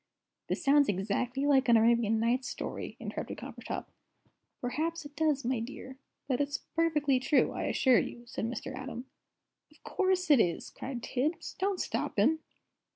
"This sounds exactly like an Arabian Nights story," interrupted Coppertop. "Perhaps it does, my dear. But it's perfectly true, I assure you," said Mr. Atom. "Of course it is!" cried Tibbs. "Don't stop him."